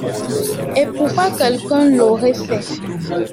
Et pourquoi quelqu’un l’aurait fait?